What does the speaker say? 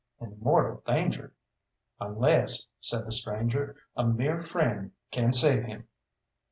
"In mortal danger?" "Unless," said the stranger, "a mere friend can save him."